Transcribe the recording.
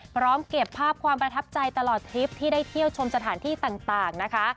พร้อมเก็บภาพความประทับใจตลอดทริปที่ได้เที่ยวชมสถานที่ต่างนะคะ